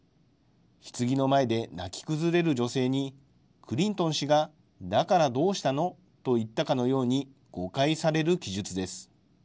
ひつぎの前で泣き崩れる女性に、クリントン氏が、だからどうしたの？と言ったかのように、誤解される記述です。